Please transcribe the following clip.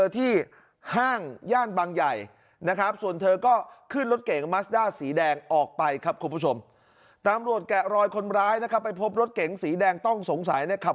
ถ้างองค์ร้านแล้วความร้ายนะครับไปพบรถเก๋งสีแดงต้องสงสัยนะครับ